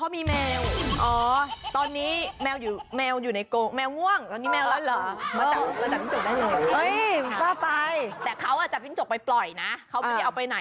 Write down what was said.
ไม่มีข้อจับที่จบซักเลยค่ะ